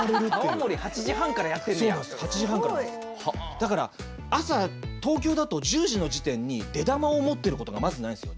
だから朝東京だと１０時の時点に出玉を持ってることがまずないんですよ。